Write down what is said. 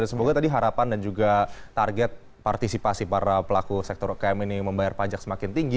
semoga tadi harapan dan juga target partisipasi para pelaku sektor ukm ini membayar pajak semakin tinggi